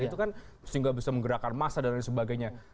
itu kan sehingga bisa menggerakkan massa dan lain sebagainya